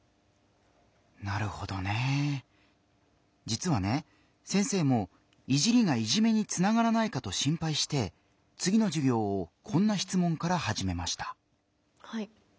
じつはね先生も「いじり」が「いじめ」につながらないかと心ぱいしてつぎの授業をこんなしつもんからはじめました。